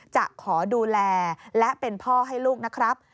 จะขอดูแลและเป็นพ่อให้ลูกนะครับ